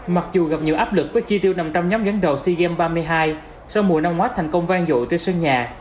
mặc dù gặp nhiều áp lực với chi tiêu năm trăm linh nhóm gắn đầu sea games ba mươi hai sau mùa năm hóa thành công vang dội trên sân nhà